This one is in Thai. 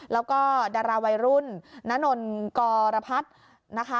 แล้วก็ดาราวัยรุ่นนานนกรพัฒน์นะคะ